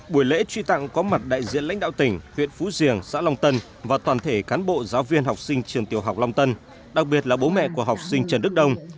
buổi lễ truy tặng có mặt đại diện lãnh đạo tỉnh huyện phú riềng xã long tân và toàn thể cán bộ giáo viên học sinh trường tiểu học long tân đặc biệt là bố mẹ của học sinh trần đức đông